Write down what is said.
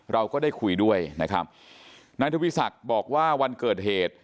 เราก็ได้คุยด้วยนะครับนายทวีศักดิ์บอกว่าวันเกิดเหตุ